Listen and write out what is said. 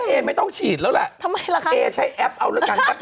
เชียวแล้วล่ะ